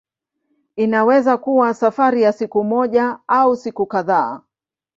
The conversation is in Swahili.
Inaweza kuwa safari ya siku moja au siku kadhaa.